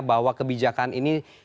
bahwa kebijakan ini